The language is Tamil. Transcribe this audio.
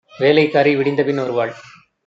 வேலைக் காரி விடிந்தபின் வருவாள்